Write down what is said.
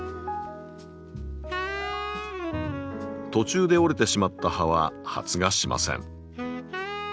途中で折れてしまった葉は発芽しません。